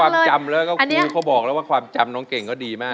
ความจำแล้วก็คือเขาบอกแล้วว่าความจำน้องเก่งก็ดีมาก